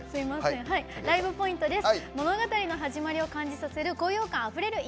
ライブポイントです。